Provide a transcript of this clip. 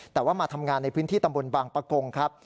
แต่ว่ามาทำงานในพื้นที่ตำบลบางปะกงครับ